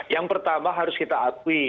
yang pertama harus kita akui